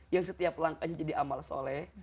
yang setiap langkahnya jadi amal soleh